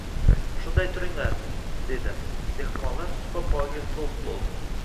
— Shunday turinglar! — dedi. Dehqonlar supa poyiga to‘p bo‘ldi.